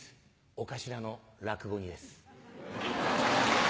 お頭の落語にです。